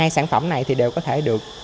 hai sản phẩm này thì đều có thể được